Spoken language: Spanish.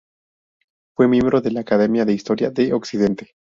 Fue miembro de la Academia de Historia de Occidente.